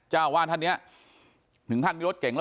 เจ้าว่านมีรถเก่ง